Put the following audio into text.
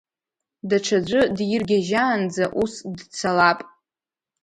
Даҽаӡәы диргьежьаанӡа ус дцалап.